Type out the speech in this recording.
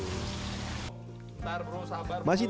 ntar perlu sabar dulu